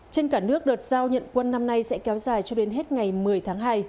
trên cả nước đợt giao nhận quân năm nay sẽ kéo dài cho đến hết ngày một mươi tháng hai